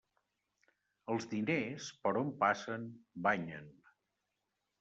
Els diners, per on passen, banyen.